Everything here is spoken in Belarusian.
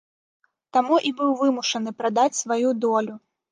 Таму і быў вымушаны прадаць сваю долю.